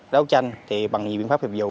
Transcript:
đấu tranh thì bằng nhiều biện pháp hợp dụng